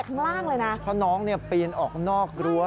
สวัสดีครับ